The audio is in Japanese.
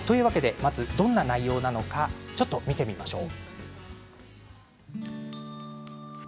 どんな内容なのか見てみましょう。